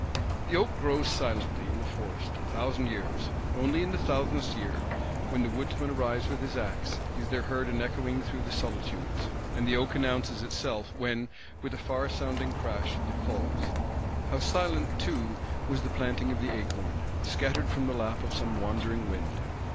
The oak grows silently, in the forest, a thousand years; only in the thousandth year, when the woodman arrives with his axe, is there heard an echoing through the solitudes; and the oak announces itself when, with a far sounding crash, it falls. How silent too was the planting of the acorn; scattered from the lap of some wandering wind!